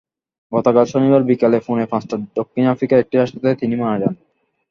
গতকাল শনিবার বিকেল পৌনে পাঁচটায় দক্ষিণ আফ্রিকার একটি হাসপাতালে তিনি মারা যান।